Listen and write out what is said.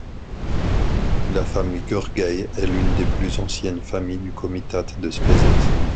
La famille Görgey est l'une des plus anciennes familles du comitat de Szepes.